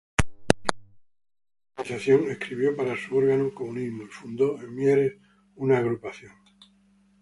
En esta organización escribió para su órgano, "Comunismo", y fundó en Mieres una agrupación.